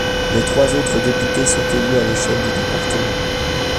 Les trois autres députés sont élus à l'échelle du département.